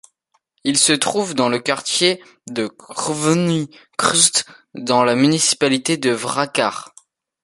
Il se trouve dans le quartier de Crveni krst, dans la municipalité de Vračar.